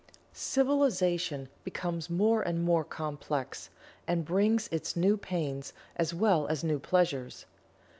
Civilization becomes more and more complex, and brings its new pains as well as new pleasures.